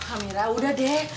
amira udah deh